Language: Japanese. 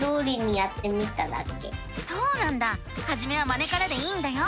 そうなんだはじめはまねからでいいんだよ！